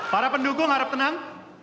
para pendukung harap tenang